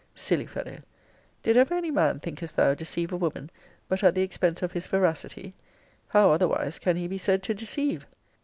Silly fellow! Did ever any man, thinkest thou, deceive a woman, but at the expense of his veracity; how, otherwise, can he be said to deceive?